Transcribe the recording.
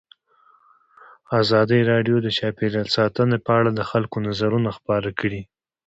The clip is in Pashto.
ازادي راډیو د چاپیریال ساتنه په اړه د خلکو نظرونه خپاره کړي.